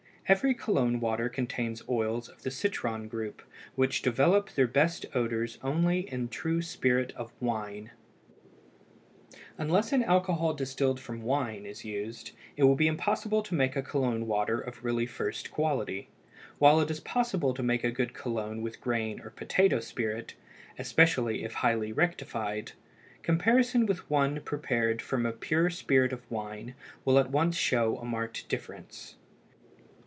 Every Cologne water contains oils of the citron group which develop their best odors only in true spirit of wine. Unless an alcohol distilled from wine is used, it will be impossible to make a Cologne water of really first quality. While it is possible to make a good cologne with grain or potato spirit, especially if highly rectified, comparison with one prepared from pure spirit of wine will at once show a marked difference.